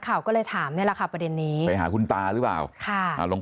ข่าวก็เลยถามนี่แหละค่ะประเด็นนี้ไปหาคุณตาหรือเปล่าค่ะอ่าลง